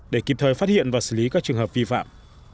để kịp thời phát hiện và xử lý các trường hợp vi phạm